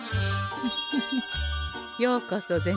フフフようこそ銭